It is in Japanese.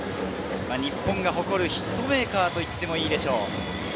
日本が誇るヒットメーカーといってもいいでしょう。